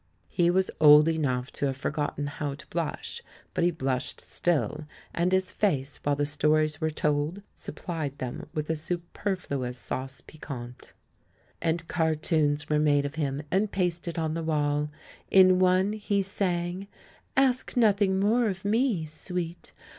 He was old enough to have forgotten how to blush, but he blushed still, and his face, while the stories were told, supplied them with a superflu ous sauce piquante. And cartoons were made of him, and pasted on the wall. In one he sang — "Ask nothing more of me, sweet.